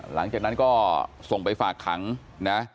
หลังจากนั้นก็ส่งไปฝากขังนะ